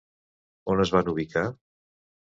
On es van ubicar?